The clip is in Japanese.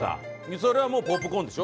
それはもうポップコーンでしょ。